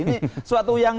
ini suatu yang